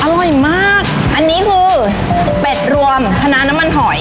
อร่อยมากอันนี้คือเป็ดรวมคณะน้ำมันหอย